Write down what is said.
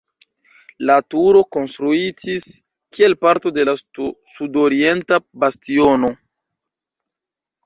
La turo konstruitis kiel parto de la sudorienta bastiono.